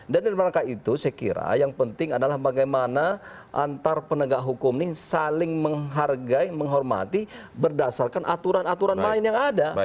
dan dalam rangka itu saya kira yang penting adalah bagaimana antar penegak hukum ini saling menghargai menghormati berdasarkan aturan aturan lain yang ada